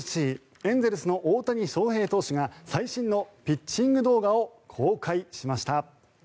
エンゼルスの大谷翔平投手が最新のピッチング動画を公開しました。